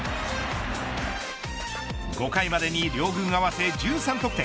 ５回までに両軍合わせ１３得点。